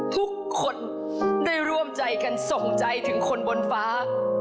ทุกคนได้ร่วมใจกันส่งใจถึงคนบนฟ้า